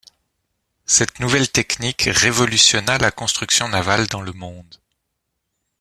Cette nouvelle technique révolutionna la construction navale dans le monde.